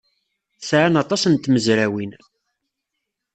Sɛan aṭas n tmezrawin.